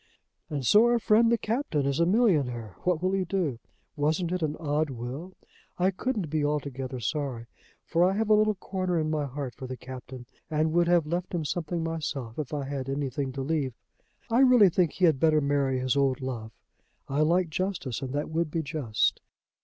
"And so our friend the Captain is a millionaire! What will he do? Wasn't it an odd will? I couldn't be altogether sorry, for I have a little corner in my heart for the Captain, and would have left him something myself if I had anything to leave. I really think he had better marry his old love. I like justice, and that would be just.